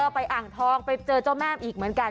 ไปอ่างทองไปเจอเจ้าแม่มอีกเหมือนกัน